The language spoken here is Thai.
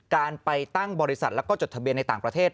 การไปตั้งบริษัทแล้วก็จดทะเบียนในต่างประเทศ